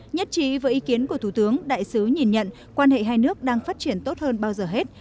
nhất trí với ý kiến của thủ tướng đại sứ nhìn nhận quan hệ hai nước đang phát triển tốt hơn bao giờ hết